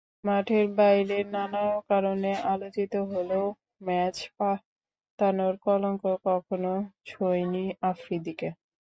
মাঠের বাইরের নানা কারণে আলোচিত হলেও ম্যাচ পাতানোর কলঙ্ক কখনো ছোঁয়নি আফ্রিদিকে।